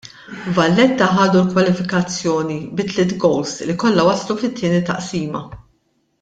Valletta ħadu l-kwalifikazzjoni bi tliet gowls li kollha waslu fit-tieni taqsima.